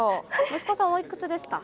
息子さんおいくつですか？